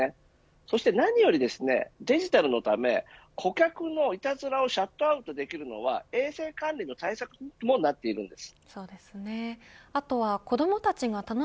そして何より、デジタルのため顧客のいたずらをシャットアウトできるのは衛星管理対策にもなっています。